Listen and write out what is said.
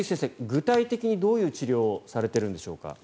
具体的にどういう治療をされているんでしょうか。